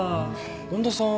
恩田さん